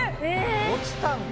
落ちたんだ。